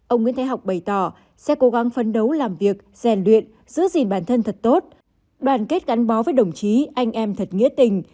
ông nguyễn thái học bày tỏ sẽ cố gắng phấn đấu làm việc rèn luyện giữ gìn bản thân thật tốt đoàn kết gắn bó với đồng chí anh em thật nghĩa tình